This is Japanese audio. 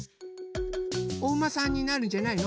おうまさんになるんじゃないの？